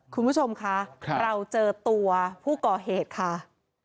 คุณผู้ชมคะเราเจอตัวผู้ก่อเหตุค่ะ